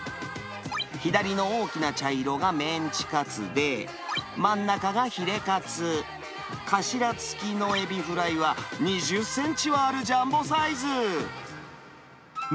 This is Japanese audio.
左の大きな茶色がメンチカツで、真ん中がヒレカツ、頭付きのエビフライは２０センチはあるジャンボサイズ。